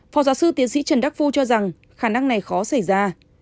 phó giáo sư tiến sĩ trần đắc phu cho rằng khả năng này khó xảy ra